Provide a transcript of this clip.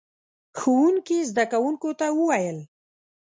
ښوونکي زده کوونکو ته وويل: